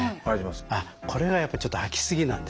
あっこれがやっぱちょっと空き過ぎなんですね。